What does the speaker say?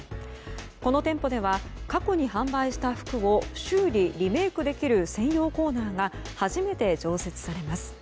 この店舗では過去に販売した服を修理・リメイクできる専用コーナーが初めて常設されます。